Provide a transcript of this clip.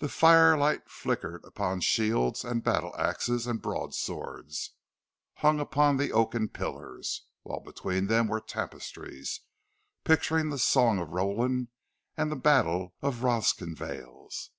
The firelight flickered upon shields and battle axes and broad swords, hung upon the oaken pillars; while between them were tapestries, picturing the Song of Roland and the battle of Roncesvalles.